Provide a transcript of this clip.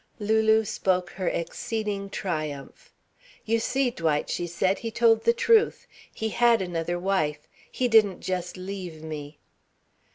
Lulu spoke her exceeding triumph. "You see, Dwight," she said, "he told the truth. He had another wife. He didn't just leave me."